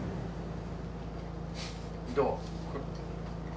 どう？